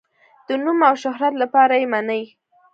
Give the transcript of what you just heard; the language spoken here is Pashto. د نوم او شهرت لپاره یې مني.